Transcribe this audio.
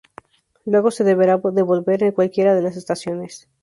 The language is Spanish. Luego, se deberá devolver en cualquiera de las estaciones.